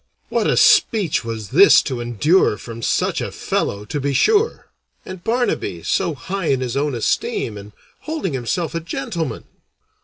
What a speech was this to endure from such a fellow, to be sure! and Barnaby so high in his own esteem, and holding himself a gentleman!